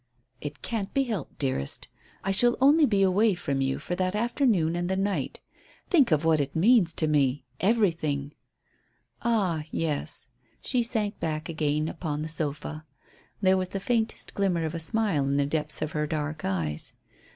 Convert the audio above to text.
"It can't be helped, dearest. I shall only be away from you for that afternoon and the night. Think of what it means to me. Everything." "Ah, yes." She sank back again upon the sofa. There was the faintest glimmer of a smile in the depths of her dark eyes.